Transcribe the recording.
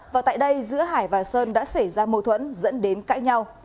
và tại đây giữa hải và sơn đã xảy ra mâu thuẫn dẫn đến cãi nhau